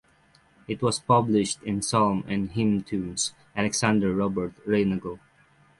It was published in "Psalm and Hymn Tunes" Alexander Robert Reinagle.